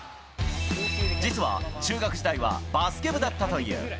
実は中学時代はバスケ部だったという。